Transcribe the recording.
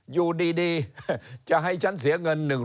อยู่ดีจะให้ฉันเสียเงิน๑๐๐